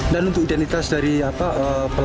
dan untuk identitas dari pelajar